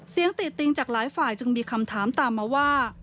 เสียงติดติงจากหลายฝ่ายจึงมีคำถามตามมาว่า